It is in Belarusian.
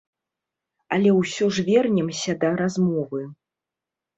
Але ўсё ж вернемся да размовы.